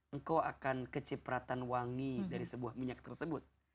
engkau akan kecipratan wangi dari sebuah minyak tersebut